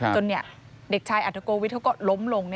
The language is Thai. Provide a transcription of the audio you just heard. เด็กชายอัฐโกวิทเขาก็ล้มลง